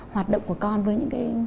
hoạt động của con